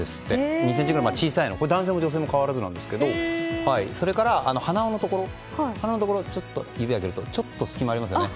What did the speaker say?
２ｃｍぐらい小さくてこれは男性も女性も変わらずでそれから、鼻緒のところちょっと指を上げるとちょっと隙間がありますよね。